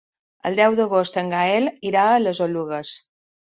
El deu d'agost en Gaël irà a les Oluges.